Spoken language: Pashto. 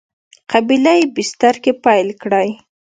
قبیله یي بستر کې پیل کړی.